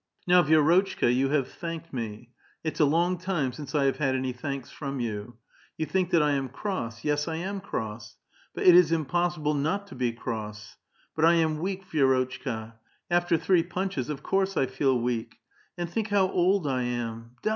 " Now, Vi^rotchka, you have thanked me. It's a long time since I have had any thanks from you. You think that I am cross. Yes, I am cross. But it is impossible not to be cross. But I am weak, Vi^rotchka ! After three punches, of course I feel weak ! And think how old I am. Da!